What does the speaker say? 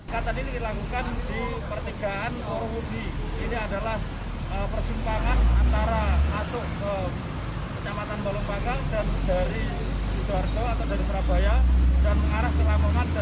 persumpahan antara masuk ke kecamatan balopanggang dan dari sidoarjo atau dari surabaya